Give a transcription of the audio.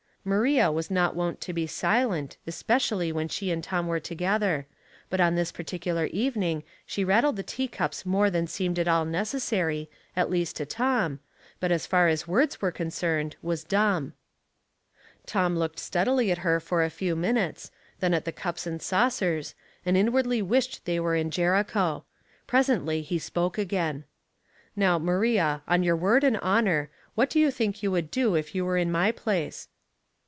Maria was not wont to be silent, especially when she and Tom were together ; but on this particular evening she rattled the tea cups more than seemed at all necessary, at least to Tom, but as far as words were concerned was dumb. Tom looked steadily at her for a few minutes, then at the cups and saucers, and inwardly wished they were in Jericho. Presently he spoke again. " Now, Maria, on your word and honor, what do you think you would do if you were in my place?"